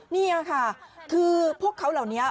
นี่ค่ะคือพวกเขาเหล่านี้